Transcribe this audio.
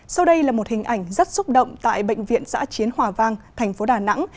sau đây là một hình ảnh rất xúc động tại bệnh viện giã chiến hòa vang thành phố đà nẵng